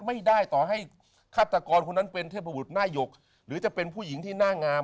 ไม่ได้ต่อให้ฆาตกรคนนั้นเป็นเทพบุตรหน้าหยกหรือจะเป็นผู้หญิงที่หน้างาม